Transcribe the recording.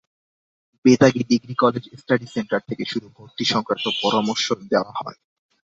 Betagi degree college study centre থেকে শুধু ভর্তিসংক্রান্ত পরামর্শ দেওয়া হয়।